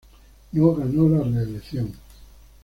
No ganó la reelección.